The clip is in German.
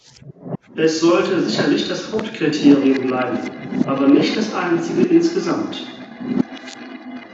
Es sollte sicherlich das Hauptkriterium bleiben, aber nicht das Einzige insgesamt.